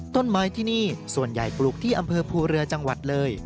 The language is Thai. ต้นไม้ที่นี่ส่วนใหญ่ปลูกที่อำเภอภูเรือจังหวัดเลย